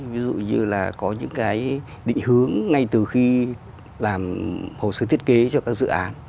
ví dụ như là có những cái định hướng ngay từ khi làm hồ sơ thiết kế cho các dự án